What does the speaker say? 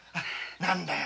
何だよ